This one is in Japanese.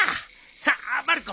さあまる子